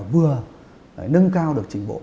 vừa nâng cao được trình bộ